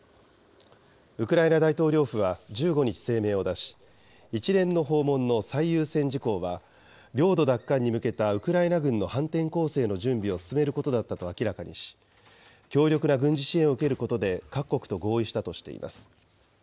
ウクライナ大統領府は１５日、声明を出し、一連の訪問の最優先事項は、領土奪還に向けたウクライナ軍の反転攻勢の準備を進めることだったと明らかにし、強力な軍事支援を受けることで各国と合意したとしています。